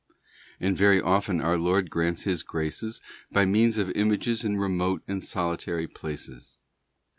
And very often our Lord grants His graces by means of images in remote and solitary places.